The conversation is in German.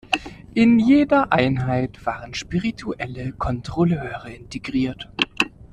In jeder Einheit waren spirituelle Kontrolleure integriert.